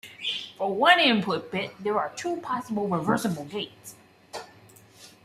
For one input bit, there are two possible reversible gates.